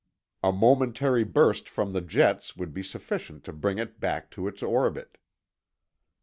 A momentary burst from the jets would be sufficient to bring it back to its orbit.